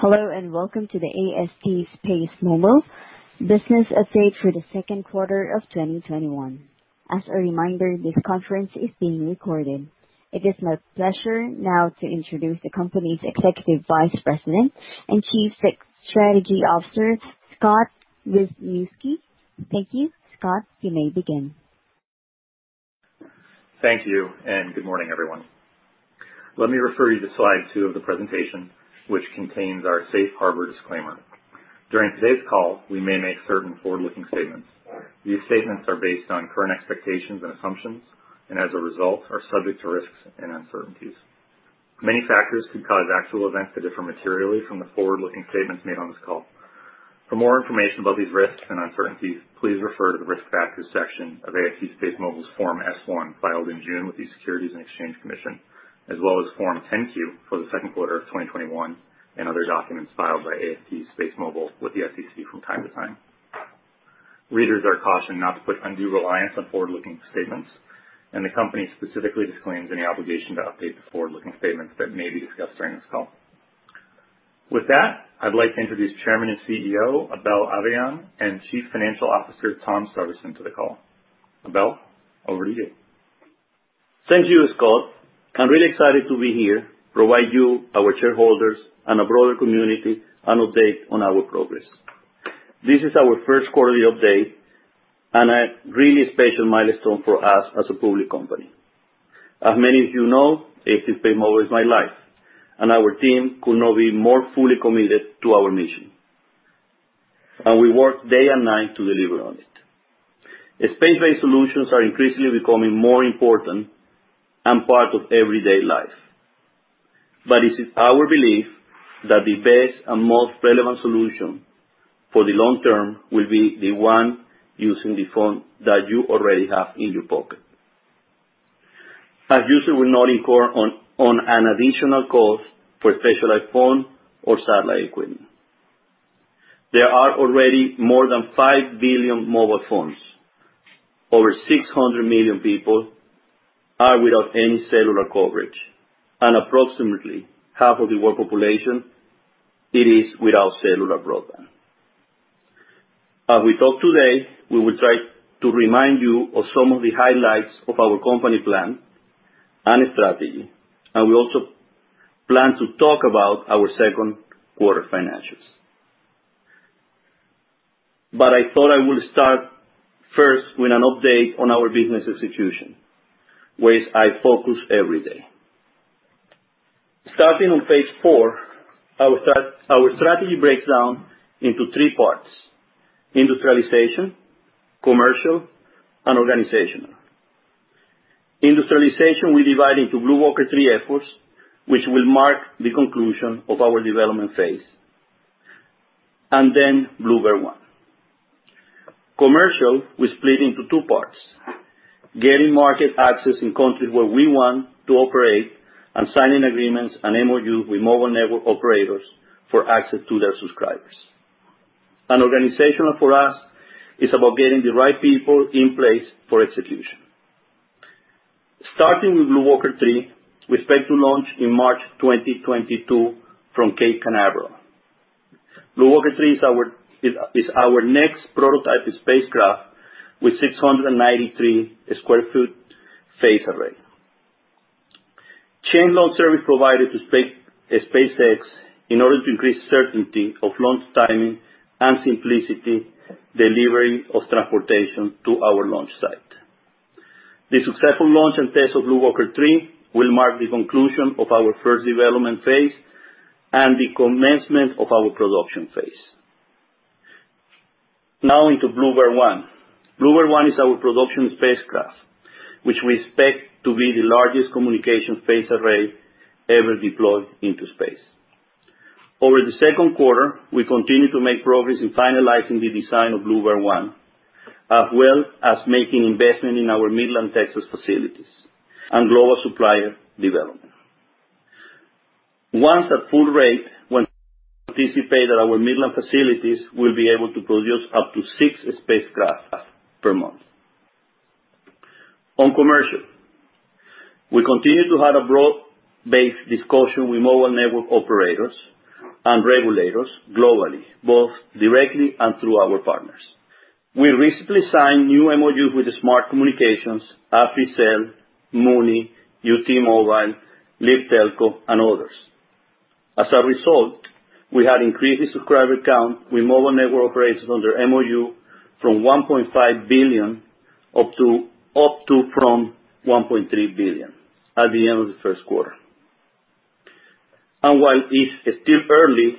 Hello, and welcome to the AST SpaceMobile business update for the second quarter of 2021. As a reminder, this conference is being recorded. It is my pleasure now to introduce the company's Executive Vice President and Chief Strategy Officer, Scott Wisniewski. Thank you. Scott, you may begin. Thank you, and good morning, everyone. Let me refer you to slide two of the presentation, which contains our safe harbor disclaimer. During today's call, we may make certain forward-looking statements. These statements are based on current expectations and assumptions, and as a result, are subject to risks and uncertainties. Many factors could cause actual events to differ materially from the forward-looking statements made on this call. For more information about these risks and uncertainties, please refer to the Risk Factors section of AST SpaceMobile's Form S-1, filed in June with the Securities and Exchange Commission, as well as Form 10-Q for the second quarter of 2021 and other documents filed by AST SpaceMobile with the SEC from time to time. Readers are cautioned not to put undue reliance on forward-looking statements, and the company specifically disclaims any obligation to update the forward-looking statements that may be discussed during this call. With that, I'd like to introduce Chairman and CEO, Abel Avellan, and Chief Financial Officer, Tom Severson, to the call. Abel, over to you. Thank you, Scott. I'm really excited to be here to provide you, our shareholders, and our broader community an update on our progress. This is our first quarterly update and a really special milestone for us as a public company. Many of you know, AST SpaceMobile is my life, and our team could not be more fully committed to our mission. We work day and night to deliver on it. Space-based solutions are increasingly becoming more important and part of everyday life. It is our belief that the best and most relevant solution for the long term will be the one using the phone that you already have in your pocket. Users will not incur an additional cost for a specialized phone or satellite equipment. There are already more than 5 billion mobile phones. Over 600 million people are without any cellular coverage, and approximately half of the world population is without cellular broadband. As we talk today, we will try to remind you of some of the highlights of our company plan and strategy, we also plan to talk about our second quarter financials. I thought I would start first with an update on our business execution, which I focus every day. Starting on page four, our strategy breaks down into three parts: industrialization, commercial, and organizational. Industrialization we divide into BlueWalker 3 efforts, which will mark the conclusion of our development phase, and then BlueBird 1. Commercial, we split into two parts. Getting market access in countries where we want to operate and signing agreements and MOU with mobile network operators for access to their subscribers. Organizational, for us, is about getting the right people in place for execution. Starting with BlueWalker 3, we expect to launch in March 2022 from Cape Canaveral. BlueWalker 3 is our next prototype spacecraft with 693 sq ft phased array. Changed launch service provided to SpaceX in order to increase certainty of launch timing and simplicity, delivery of transportation to our launch site. The successful launch and test of BlueWalker 3 will mark the conclusion of our first development phase and the commencement of our production phase. Into BlueBird 1. BlueBird 1 is our production spacecraft, which we expect to be the largest communication phased array ever deployed into space. Over the second quarter, we continued to make progress in finalizing the design of BlueBird 1, as well as making investment in our Midland, Texas facilities and global supplier development. Once at full rate, we anticipate that our Midland facilities will be able to produce up to six spacecraft per month. On commercial, we continue to have a broad-based discussion with mobile network operators and regulators globally, both directly and through our partners. We recently signed new MOUs with Smart Communications, Africell, MUNI, UTL Mobile, LIBTELCO, and others. As a result, we had increased the subscriber count with mobile network operators under MOU from 1.5 billion up to from 1.3 billion at the end of the first quarter. While it's still early,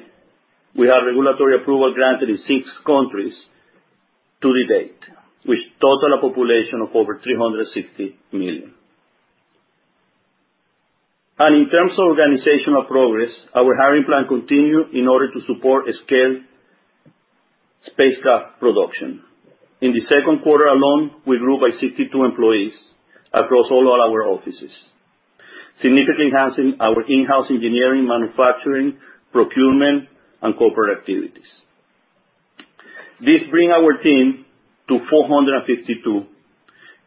we have regulatory approval granted in six countries to date, which total a population of over 360 million. In terms of organizational progress, our hiring plan continue in order to support a scaled spacecraft production. In the second quarter alone, we grew by 62 employees across all our offices, significantly enhancing our in-house engineering, manufacturing, procurement, and corporate activities. This brings our team to 452,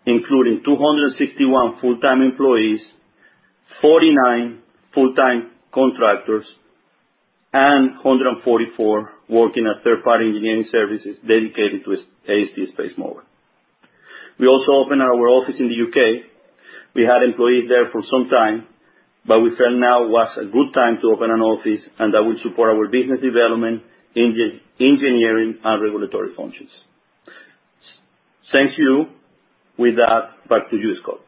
including 261 full-time employees, 49 full-time contractors, and 144 working at third-party engineering services dedicated to AST SpaceMobile. We also opened our office in the U.K. We had employees there for some time, but we felt now was a good time to open an office, and that will support our business development, engineering, and regulatory functions. Thank you. With that, back to you, Scott.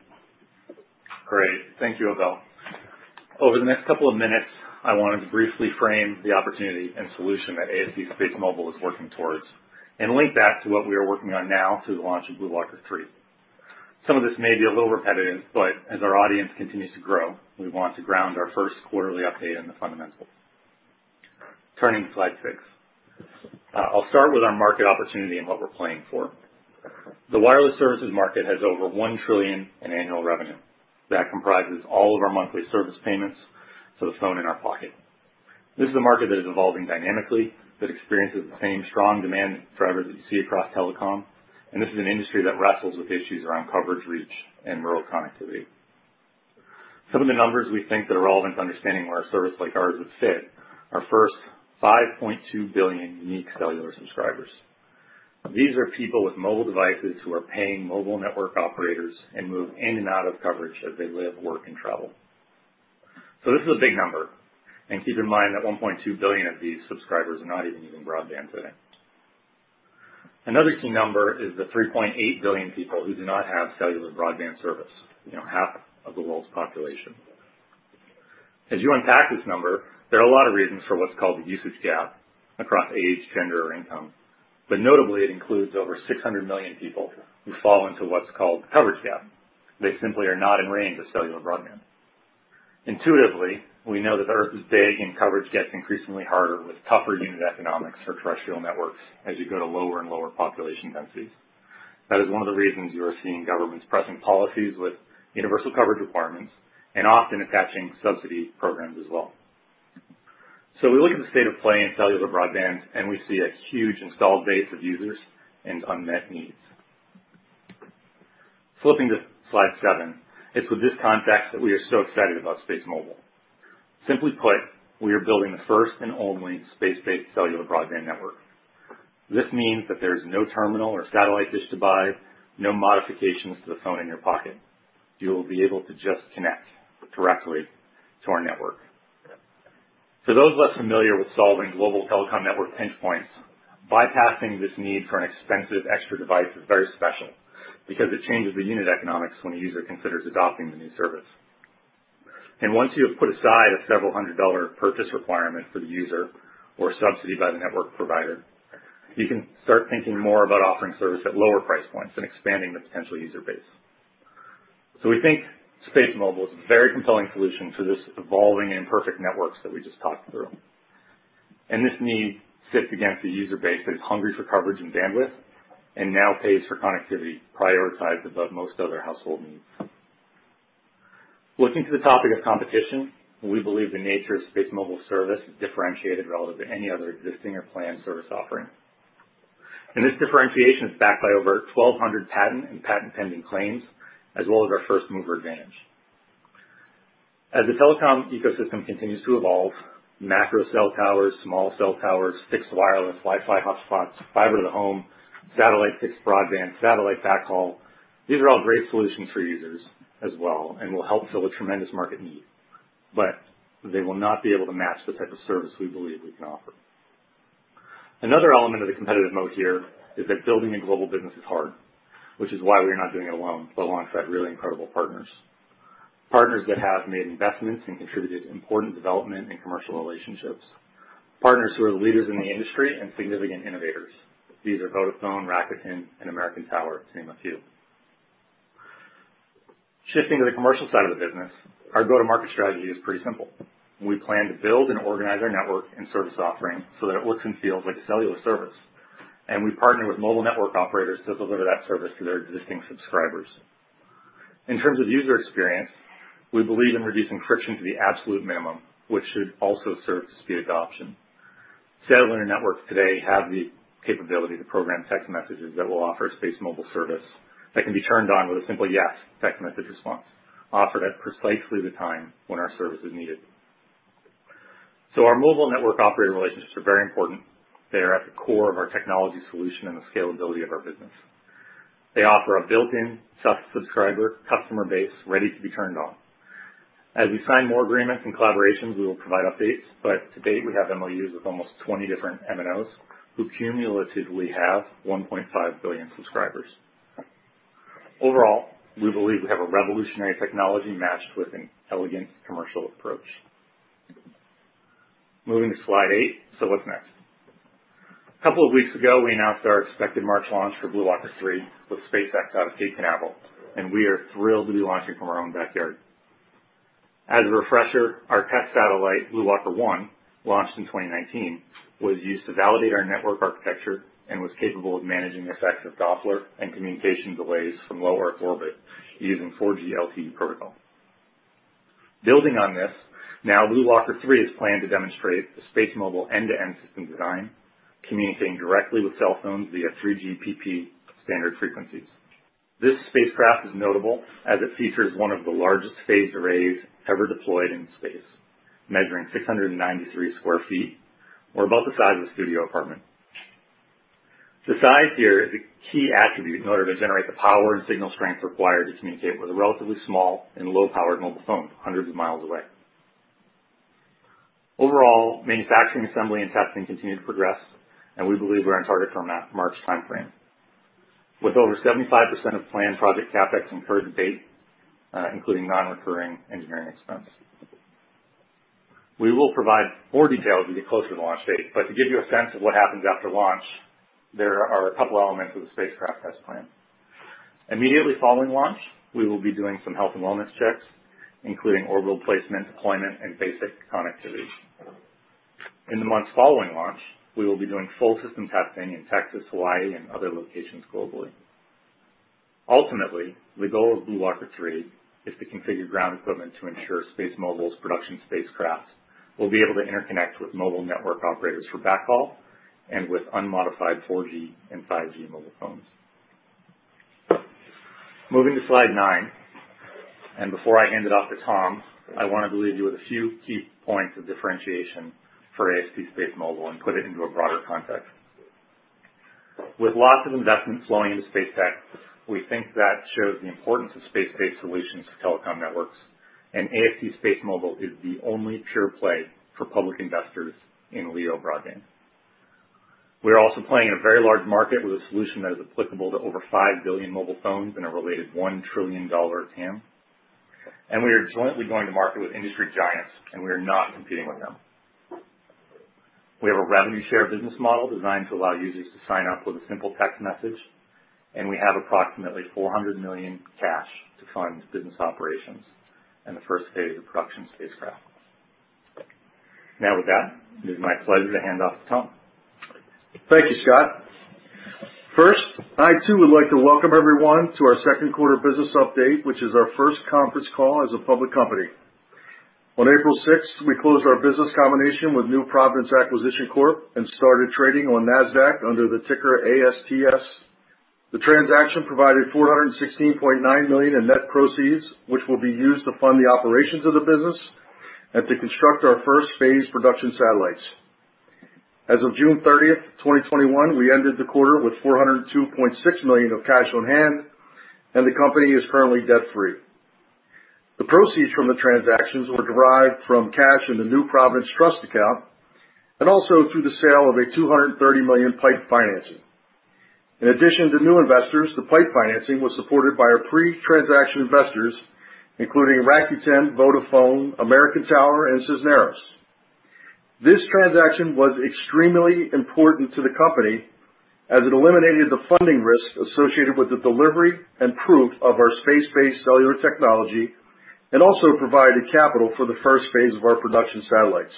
Great. Thank you, Abel. Over the next couple of minutes, I wanted to briefly frame the opportunity and solution that AST SpaceMobile is working towards and link back to what we are working on now to the launch of BlueWalker 3. Some of this may be a little repetitive, but as our audience continues to grow, we want to ground our first quarterly update in the fundamentals. Turning to slide six. I'll start with our market opportunity and what we're planning for. The wireless services market has over $1 trillion in annual revenue. That comprises all of our monthly service payments for the phone in our pocket. This is a market that is evolving dynamically, that experiences the same strong demand drivers that you see across telecom, and this is an industry that wrestles with issues around coverage, reach, and rural connectivity. Some of the numbers we think that are relevant to understanding where a service like ours would fit are first, 5.2 billion unique cellular subscribers. These are people with mobile devices who are paying mobile network operators and move in and out of coverage as they live, work, and travel. This is a big number, and keep in mind that 1.2 billion of these subscribers are not even using broadband today. Another key number is the 3.8 billion people who do not have cellular broadband service. Half of the world's population. As you unpack this number, there are a lot of reasons for what's called the usage gap across age, gender, or income. Notably, it includes over 600 million people who fall into what's called the coverage gap. They simply are not in range of cellular broadband. Intuitively, we know that the Earth is big, and coverage gets increasingly harder with tougher unit economics for terrestrial networks as you go to lower and lower population densities. That is one of the reasons you are seeing governments pressing policies with universal coverage requirements and often attaching subsidy programs as well. We look at the state of play in cellular broadband, and we see a huge installed base of users and unmet needs. Flipping to slide seven. It's with this context that we are so excited about SpaceMobile. Simply put, we are building the first and only space-based cellular broadband network. This means that there's no terminal or satellite dish to buy, no modifications to the phone in your pocket. You'll be able to just connect directly to our network. For those less familiar with solving global telecom network pinch points, bypassing this need for an expensive extra device is very special because it changes the unit economics when a user considers adopting the new service. And once you have put aside a several hundred dollar purchase requirement for the user or subsidy by the network provider, you can start thinking more about offering service at lower price points and expanding the potential user base. We think SpaceMobile is a very compelling solution to this evolving imperfect networks that we just talked through. This need sits against a user base that is hungry for coverage and bandwidth and now pays for connectivity prioritized above most other household needs. Looking to the topic of competition, we believe the nature of SpaceMobile service is differentiated relative to any other existing or planned service offering. This differentiation is backed by over 1,200 patent and patent pending claims, as well as our first-mover advantage. As the telecom ecosystem continues to evolve, macro cell towers, small cell towers, fixed wireless, Wi-Fi hotspots, fiber to the home, satellite fixed broadband, satellite backhaul, these are all great solutions for users as well and will help fill a tremendous market need. They will not be able to match the type of service we believe we can offer. Another element of the competitive mode here is that building a global business is hard, which is why we are not doing it alone, but alongside really incredible partners. Partners that have made investments and contributed important development and commercial relationships. Partners who are the leaders in the industry and significant innovators. These are Vodafone, Rakuten, and American Tower to name a few. Shifting to the commercial side of the business, our go-to-market strategy is pretty simple. We plan to build and organize our network and service offering so that it looks and feels like a cellular service, and we partner with mobile network operators to deliver that service to their existing subscribers. In terms of user experience, we believe in reducing friction to the absolute minimum, which should also serve to speed adoption. Satellite networks today have the capability to program text messages that will offer a SpaceMobile service that can be turned on with a one simple "Yes" text message response, offered at precisely the time when our service is needed. Our mobile network operator relationships are very important. They are at the core of our technology solution and the scalability of our business. They offer a built-in subscriber customer base ready to be turned on. As we sign more agreements and collaborations, we will provide updates, but to date, we have MOUs with almost 20 different MNOs who cumulatively have 1.5 billion subscribers. Overall, we believe we have a revolutionary technology matched with an elegant commercial approach. Moving to slide eight. What's next? A couple of weeks ago, we announced our expected March launch for BlueWalker 3 with SpaceX out of Cape Canaveral, and we are thrilled to be launching from our own backyard. As a refresher, our tech satellite, BlueWalker 1, launched in 2019, was used to validate our network architecture and was capable of managing the effects of Doppler and communication delays from low Earth orbit using 4G LTE protocol. Building on this, now BlueWalker 3 is planned to demonstrate the SpaceMobile end-to-end system design, communicating directly with cell phones via 3GPP standard frequencies. This spacecraft is notable as it features one of the largest phased arrays ever deployed in space, measuring 693 sq ft, or about the size of a studio apartment. The size here is a key attribute in order to generate the power and signal strength required to communicate with a relatively small and low-powered mobile phone hundreds of miles away. Overall, manufacturing, assembly, and testing continue to progress, and we believe we're on target for a March timeframe. With over 75% of planned project CapEx incurred to date, including non-recurring engineering expense. We will provide more details as we get closer to launch date, but to give you a sense of what happens after launch, there are a couple elements of the spacecraft test plan. Immediately following launch, we will be doing some health and wellness checks, including orbital placement, deployment, and basic connectivity. In the months following launch, we will be doing full system testing in Texas, Hawaii, and other locations globally. Ultimately, the goal of BlueWalker 3 is to configure ground equipment to ensure SpaceMobile's production spacecrafts will be able to interconnect with mobile network operators for backhaul and with unmodified 4G and 5G mobile phones. Moving to slide nine, before I hand it off to Tom, I want to leave you with a few key points of differentiation for AST SpaceMobile and put it into a broader context. With lots of investments flowing into space tech, we think that shows the importance of space-based solutions for telecom networks. AST SpaceMobile is the only pure play for public investors in LEO broadband. We are also playing in a very large market with a solution that is applicable to over 5 billion mobile phones and a related $1 trillion TAM. We are jointly going to market with industry giants, and we are not competing with them. We have a revenue share business model designed to allow users to sign up with a simple text message, and we have approximately $400 million cash to fund business operations and the first phase of production spacecraft. With that, it is my pleasure to hand off to Tom. Thank you, Scott. First, I too would like to welcome everyone to our second quarter business update, which is our first conference call as a public company. On April 6th, we closed our business combination with New Providence Acquisition Corp. and started trading on Nasdaq under the ticker ASTS. The transaction provided $416.9 million in net proceeds, which will be used to fund the operations of the business and to construct our first phase production satellites. As of June 30th, 2021, we ended the quarter with $402.6 million of cash on hand, and the company is currently debt-free. The proceeds from the transactions were derived from cash in the New Providence trust account, and also through the sale of a $230 million PIPE financing. In addition to new investors, the PIPE financing was supported by our pre-transaction investors, including Rakuten, Vodafone, American Tower, and Cisneros. This transaction was extremely important to the company, as it eliminated the funding risk associated with the delivery and proof of our space-based cellular technology, and also provided capital for the first phase of our production satellites.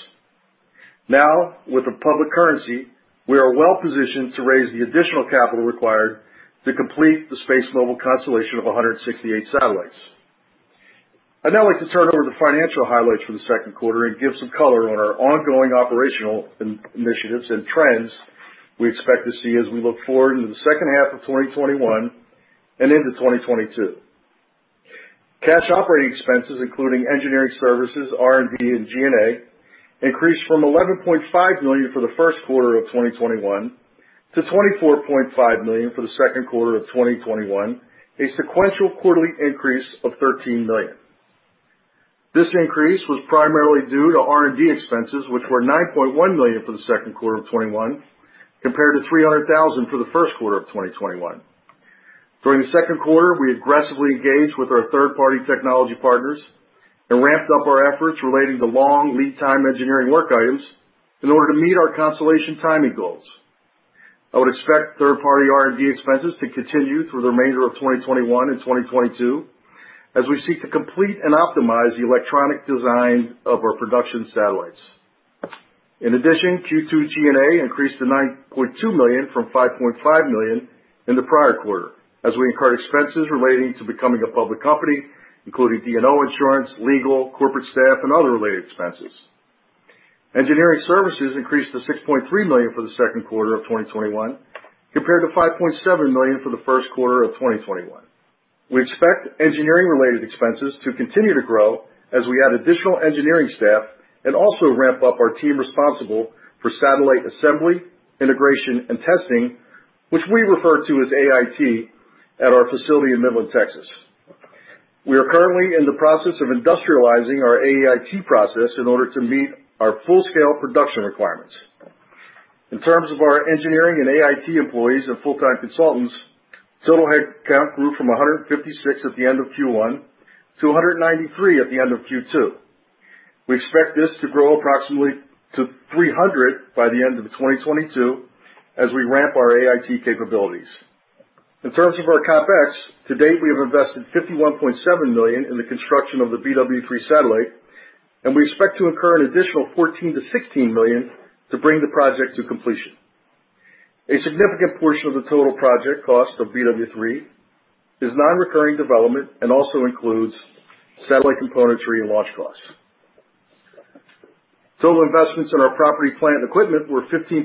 With a public currency, we are well-positioned to raise the additional capital required to complete the SpaceMobile constellation of 168 satellites. I'd now like to turn over the financial highlights for the second quarter and give some color on our ongoing operational initiatives and trends we expect to see as we look forward into the second half of 2021 and into 2022. Cash operating expenses, including engineering services, R&D, and G&A, increased from $11.5 million for the first quarter of 2021 to $24.5 million for the second quarter of 2021, a sequential quarterly increase of $13 million. This increase was primarily due to R&D expenses, which were $9.1 million for the second quarter of 2021, compared to $300,000 for the first quarter of 2021. During the second quarter, we aggressively engaged with our third-party technology partners and ramped up our efforts relating to long lead time engineering work items in order to meet our constellation timing goals. I would expect third-party R&D expenses to continue through the remainder of 2021 and 2022, as we seek to complete and optimize the electronic design of our production satellites. In addition, Q2 G&A increased to $9.2 million from $5.5 million in the prior quarter, as we incurred expenses relating to becoming a public company, including D&O insurance, legal, corporate staff, and other related expenses. Engineering services increased to $6.3 million for the second quarter of 2021, compared to $5.7 million for the first quarter of 2021. We expect engineering-related expenses to continue to grow as we add additional engineering staff and also ramp up our team responsible for satellite assembly, integration, and testing, which we refer to as AIT, at our facility in Midland, Texas. We are currently in the process of industrializing our AIT process in order to meet our full-scale production requirements. In terms of our engineering and AIT employees and full-time consultants, total headcount grew from 156 at the end of Q1 to 193 at the end of Q2. We expect this to grow approximately to 300 by the end of 2022 as we ramp our AIT capabilities. In terms of our CapEx, to date, we have invested $51.7 million in the construction of the BW3 satellite, and we expect to incur an additional $14 million-$16 million to bring the project to completion. A significant portion of the total project cost of BW3 is non-recurring development and also includes satellite componentry and launch costs. Total investments in our property, plant, and equipment were $15.7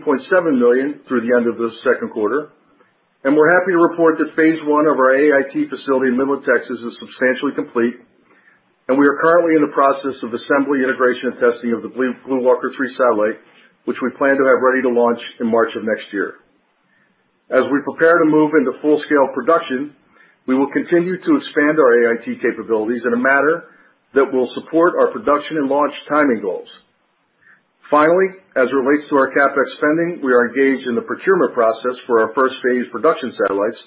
million through the end of the second quarter, and we're happy to report that phase 1 of our AIT facility in Midland, Texas, is substantially complete, and we are currently in the process of assembly, integration, and testing of the BlueWalker 3 satellite, which we plan to have ready to launch in March of next year. As we prepare to move into full-scale production, we will continue to expand our AIT capabilities in a manner that will support our production and launch timing goals. Finally, as it relates to our CapEx spending, we are engaged in the procurement process for our first phase production satellites,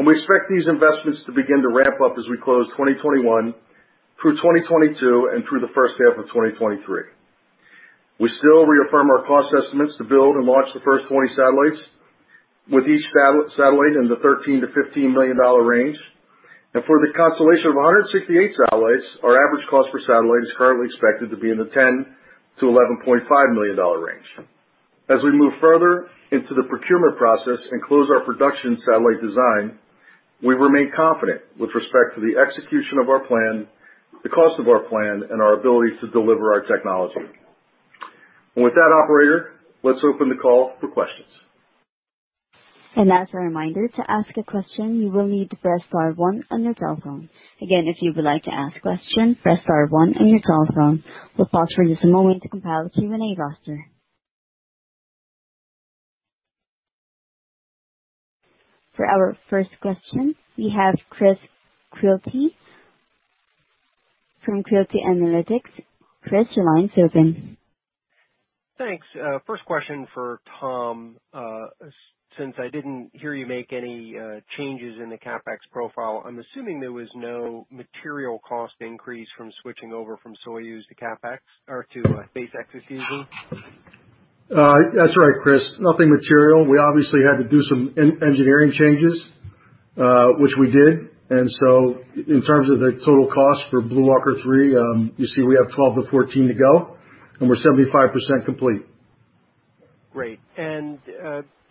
and we expect these investments to begin to ramp up as we close 2021 through 2022 and through the first half of 2023. We still reaffirm our cost estimates to build and launch the first 20 satellites, with each satellite in the $13 million-$15 million range. For the constellation of 168 satellites, our average cost per satellite is currently expected to be in the $10 million-$11.5 million range. As we move further into the procurement process and close our production satellite design, we remain confident with respect to the execution of our plan, the cost of our plan, and our ability to deliver our technology. With that, operator, let's open the call for questions. As a reminder, to ask a question, you will need to press star one on your telephone. Again, if you would like to ask question, press star one on your telephone. We'll pause for just a moment to compile a Q&A roster. For our first question, we have Chris Quilty from Quilty Analytics. Chris, your line's open. Thanks. First question for Tom. Since I didn't hear you make any changes in the CapEx profile, I'm assuming there was no material cost increase from switching over from Soyuz to SpaceX or to SpaceX's easy. That's right, Chris. Nothing material. We obviously had to do some engineering changes, which we did. In terms of the total cost for BlueWalker 3, you see we have $12 million-$14 million to go, and we're 75% complete. Great.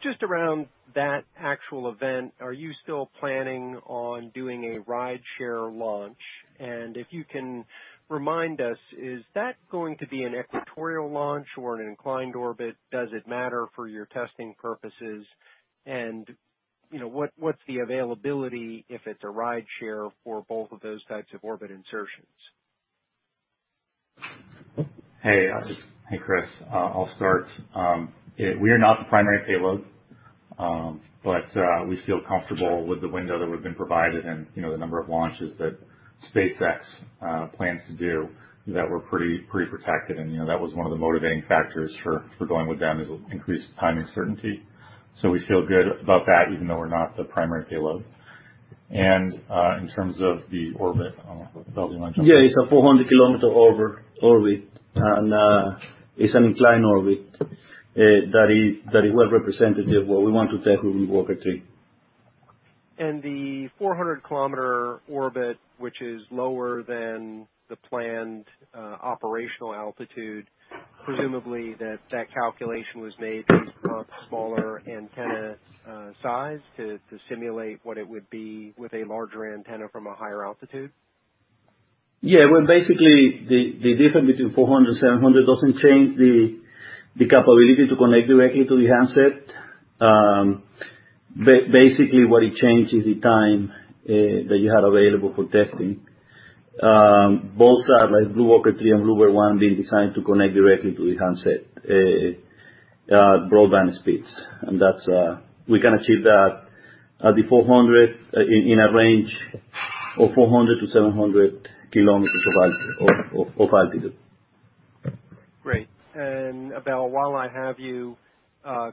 Just around that actual event, are you still planning on doing a rideshare launch? If you can remind us, is that going to be an equatorial launch or an inclined orbit? Does it matter for your testing purposes? What's the availability, if it's a rideshare for both of those types of orbit insertions? Hey, Chris. I'll start. We are not the primary payload, but we feel comfortable with the window that we've been provided and the number of launches that SpaceX plans to do that we're pretty protected. That was one of the motivating factors for going with them, is increased timing certainty. We feel good about that, even though we're not the primary payload. In terms of the orbit, Abel, you want to jump in? Yeah, it's a 400 km orbit, and it's an inclined orbit that is well-representative of what we want to take with BlueWalker 3. The 400 km orbit, which is lower than the planned operational altitude, presumably that calculation was made based upon smaller antenna size to simulate what it would be with a larger antenna from a higher altitude? Yeah. Well, basically, the difference between 400 km and 700 km doesn't change the capability to connect directly to the handset. Basically, what it changes the time that you have available for testing. Both satellites, BlueWalker 3 and BlueWalker 1, being designed to connect directly to the handset, broadband speeds. We can achieve that in a range of 400 km to 700 km of altitude. Great. Abel, while I have you, I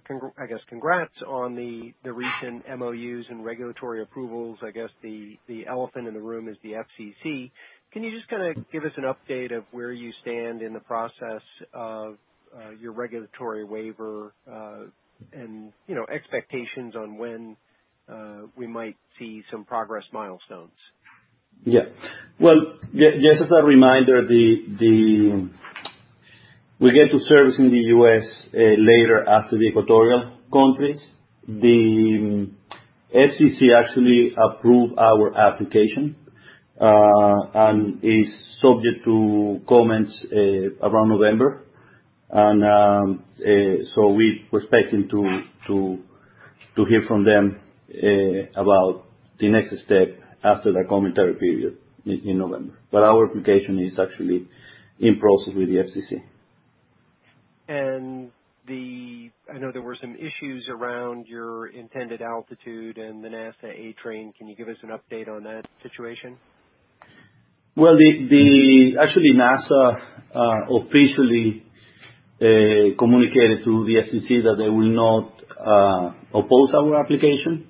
guess, congrats on the recent MOUs and regulatory approvals. I guess the elephant in the room is the FCC. Can you just give us an update of where you stand in the process of your regulatory waiver and expectations on when we might see some progress milestones? Yeah. Well, just as a reminder, we get to service in the U.S. later after the equatorial countries. The FCC actually approved our application and is subject to comments around November. We're expecting to hear from them about the next step after that commentary period in November. Our application is actually in process with the FCC. I know there were some issues around your intended altitude and the NASA A-Train. Can you give us an update on that situation? Well, actually, NASA officially communicated through the FCC that they will not oppose our application.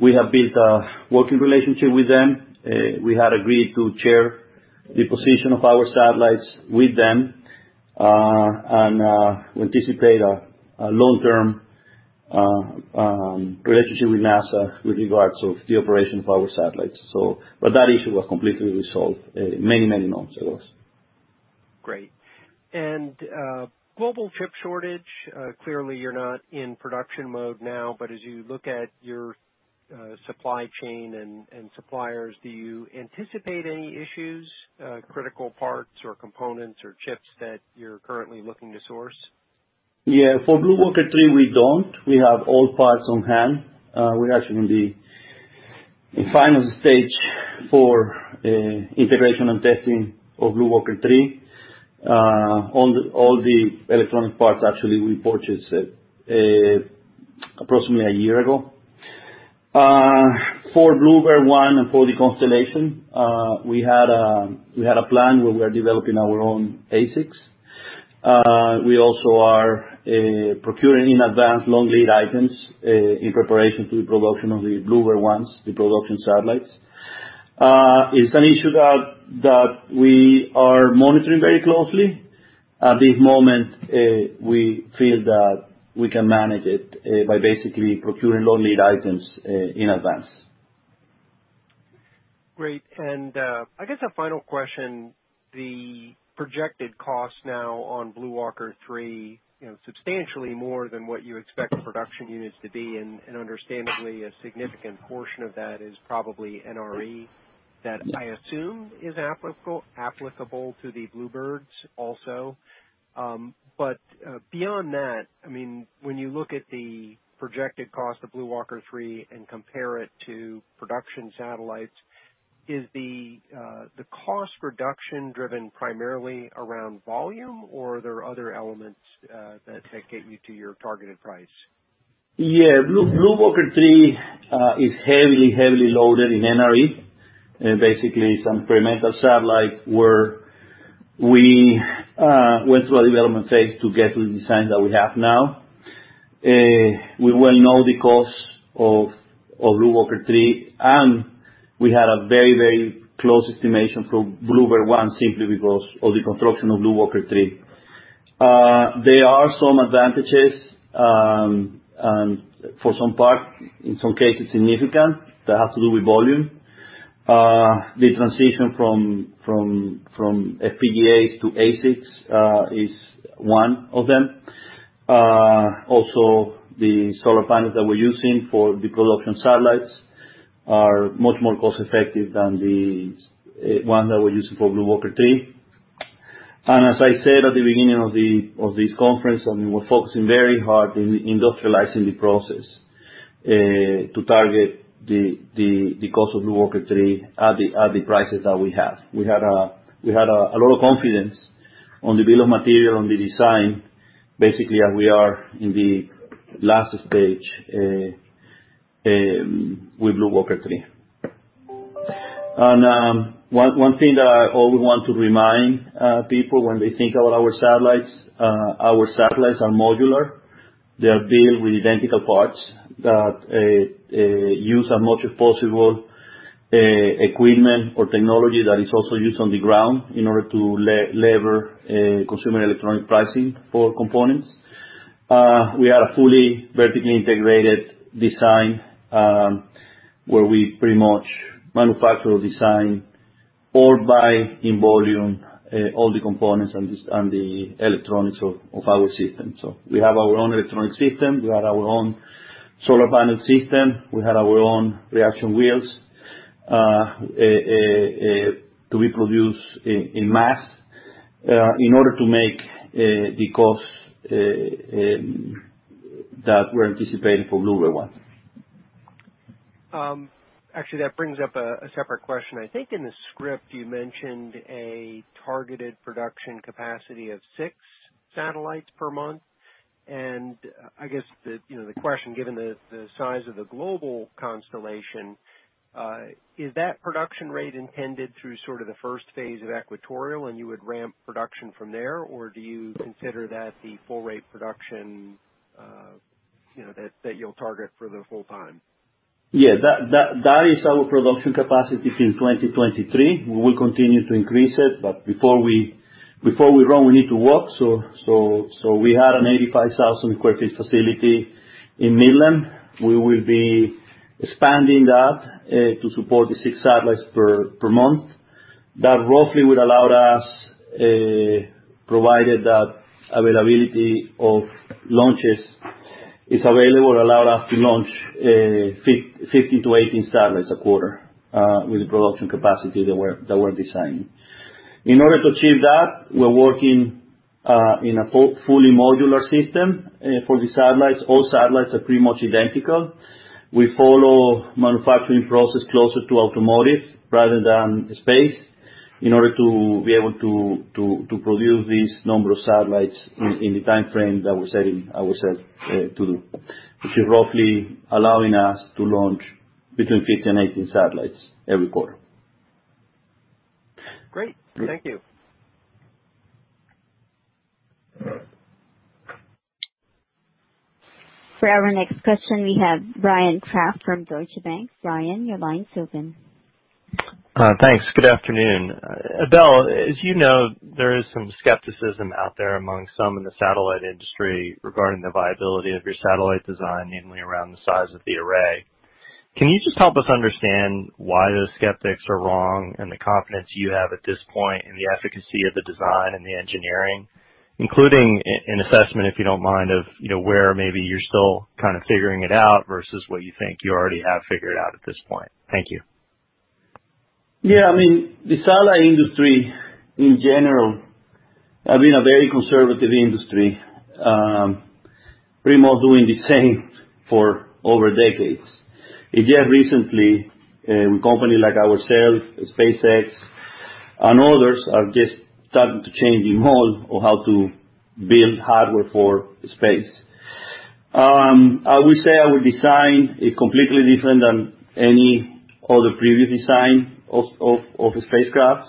We have built a working relationship with them. We had agreed to share the position of our satellites with them and we anticipate a long-term relationship with NASA with regards of the operation of our satellites. That issue was completely resolved many months ago. Great. Global chip shortage, clearly you're not in production mode now, but as you look at your supply chain and suppliers, do you anticipate any issues, critical parts or components or chips that you're currently looking to source? Yeah. For BlueWalker 3, we don't. We have all parts on hand. We're actually in the final stage for integration and testing of BlueWalker 3. All the electronic parts, actually, we purchased approximately a year ago. For BlueBird 1 and for the constellation, we had a plan where we are developing our own ASICs. We also are procuring in advance long lead items, in preparation for the production of the BlueBird 1s, the production satellites. It's an issue that we are monitoring very closely. At this moment, we feel that we can manage it by basically procuring long lead items in advance. Great. I guess a final question, the projected cost now on BlueWalker 3, substantially more than what you expect production units to be, and understandably, a significant portion of that is probably NRE that I assume is applicable to the BlueBirds also. Beyond that, when you look at the projected cost of BlueWalker 3 and compare it to production satellites, is the cost reduction driven primarily around volume, or are there other elements that get you to your targeted price? BlueWalker 3 is heavily loaded in NRE, basically some experimental satellite where we went through a development phase to get to the design that we have now. We will know the cost of BlueWalker 3, and we had a very close estimation for BlueBird 1 simply because of the construction of BlueWalker 3. There are some advantages, and for some part, in some cases significant, that has to do with volume. The transition from FPGAs to ASICs is one of them. The solar panels that we're using for the production satellites are much more cost-effective than the one that we're using for BlueWalker 3. As I said at the beginning of this conference, we were focusing very hard on industrializing the process, to target the cost of BlueWalker 3 at the prices that we have. We had a lot of confidence on the bill of material, on the design, basically, and we are in the last stage with BlueWalker 3. One thing that I always want to remind people when they think about our satellites, our satellites are modular. They are built with identical parts that use as much as possible equipment or technology that is also used on the ground in order to lever consumer electronic pricing for components. We are a fully vertically integrated design, where we pretty much manufacture or design or buy in volume all the components and the electronics of our system. We have our own electronic system, we have our own solar panel system, we have our own reaction wheels that we produce in mass in order to make the cost that we're anticipating for BlueBird 1. Actually, that brings up a separate question. I think in the script you mentioned a targeted production capacity of six satellites per month. I guess the question, given the size of the global constellation, is that production rate intended through sort of the first phase of equatorial, and you would ramp production from there, or do you consider that the full rate production that you'll target for the full time? That is our production capacity till 2023. We will continue to increase it, but before we run, we need to walk. We had an 85,000 sq ft facility in Midland. We will be expanding that to support the six satellites per month. That roughly would allow us, provided that availability of launches is available, allow us to launch 15-18 satellites a quarter, with the production capacity that we're designing. In order to achieve that, we're working in a fully modular system for the satellites. All satellites are pretty much identical. We follow manufacturing process closer to automotive rather than space in order to be able to produce this number of satellites in the timeframe that we set to do, which is roughly allowing us to launch between 15 and 18 satellites every quarter. Great. Thank you. For our next question, we have Bryan Kraft from Deutsche Bank. Bryan, your line is open. Thanks. Good afternoon. Abel, as you know, there is some skepticism out there among some in the satellite industry regarding the viability of your satellite design, namely around the size of the array. Can you just help us understand why those skeptics are wrong and the confidence you have at this point in the efficacy of the design and the engineering, including an assessment, if you don't mind, of where maybe you're still kind of figuring it out versus what you think you already have figured out at this point? Thank you. Yeah. The satellite industry, in general, have been a very conservative industry, pretty much doing the same for over decades. It just recently, companies like ourselves, SpaceX, and others, are just starting to change the mold of how to build hardware for space. I would say our design is completely different than any other previous design of spacecrafts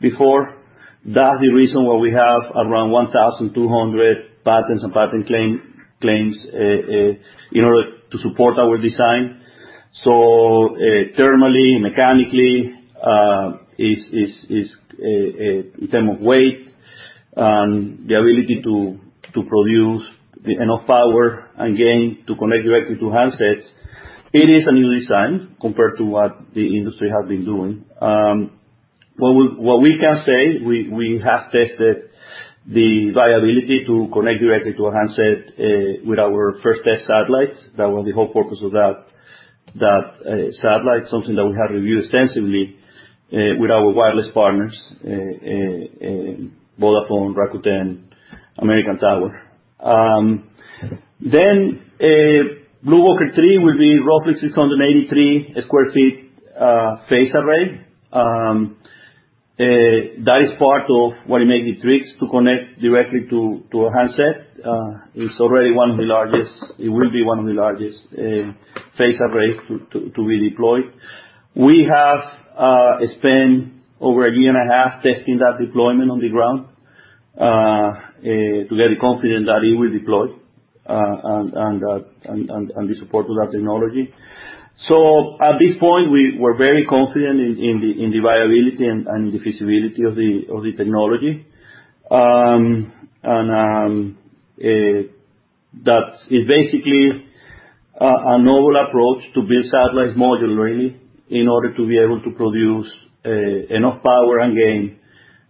before. That's the reason why we have around 1,200 patents and patent claims in order to support our design. Thermally, mechanically, in term of weight, and the ability to produce enough power and gain to connect directly to handsets, it is a new design compared to what the industry has been doing. What we can say, we have tested the viability to connect directly to a handset with our first test satellites. That was the whole purpose of that satellite, something that we have reviewed extensively, with our wireless partners, Vodafone, Rakuten, American Tower. BlueWalker 3 will be roughly 693 sq ft phased array. That is part of what makes it tricks to connect directly to a handset. It will be one of the largest phased arrays to be deployed. We have spent over a year and a half testing that deployment on the ground, to get confident that it will deploy, and the support to that technology. At this point, we're very confident in the viability and the feasibility of the technology. That is basically a novel approach to build satellites modularly in order to be able to produce enough power and gain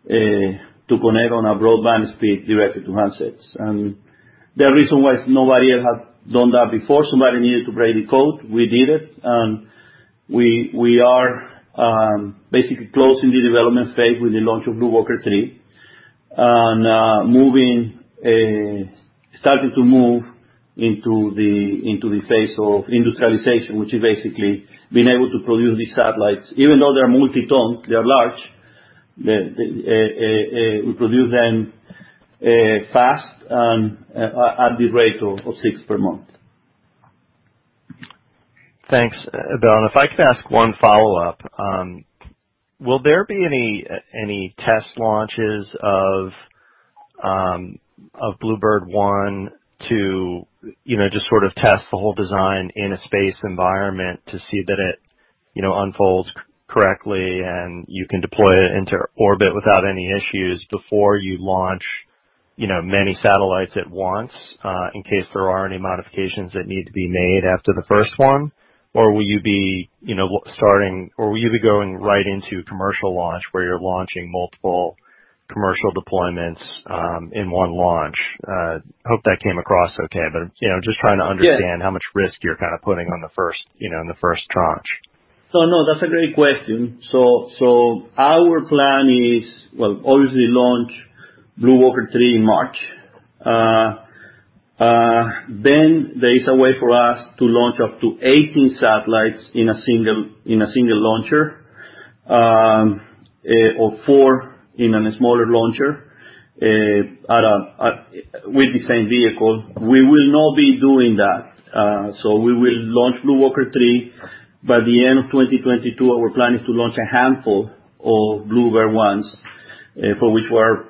to connect on a broadband speed directly to handsets. The reason why nobody else has done that before, somebody needed to break the code. We did it, and we are basically closing the development phase with the launch of BlueWalker 3 and starting to move into the phase of industrialization, which is basically being able to produce these satellites. Even though they are multi-ton, they are large, we produce them fast and at the rate of six per month. Thanks, Abel. If I could ask one follow-up. Will there be any test launches of BlueBird 1 to just sort of test the whole design in a space environment to see that it unfolds correctly and you can deploy it into orbit without any issues before you launch many satellites at once, in case there are any modifications that need to be made after the first one? Will you be going right into commercial launch, where you are launching multiple commercial deployments in one launch? I hope that came across okay, but I am just trying to understand. Yeah How much risk you're kind of putting on the first tranche? No, that's a great question. Our plan is, well, obviously launch BlueWalker 3 in March. There is a way for us to launch up to 18 satellites in a single launcher, or four in a smaller launcher with the same vehicle. We will not be doing that. We will launch BlueWalker 3. By the end of 2022, our plan is to launch a handful of BlueBird 1s, for which we're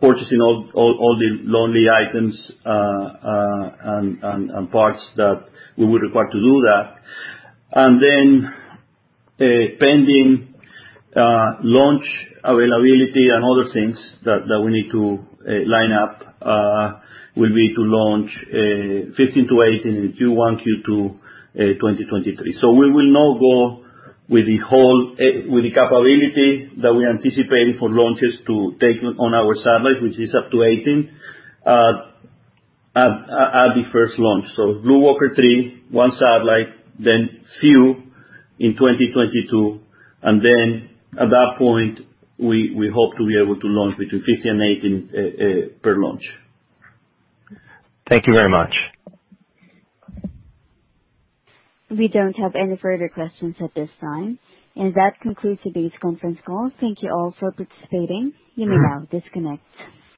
purchasing all the long lead items and parts that we would require to do that. Pending launch availability and other things that we need to line up, will be to launch 15-18 in Q1, Q2 2023. We will now go with the capability that we're anticipating for launches to take on our satellite, which is up to 18, at the first launch. BlueWalker 3, one satellite, then few in 2022, and then at that point, we hope to be able to launch between 15 and 18 per launch. Thank you very much. We don't have any further questions at this time. That concludes today's conference call. Thank you all for participating. You may now disconnect.